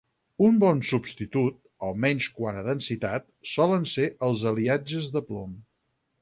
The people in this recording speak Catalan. Un bon substitut, almenys quant a densitat, solen ser els aliatges de plom.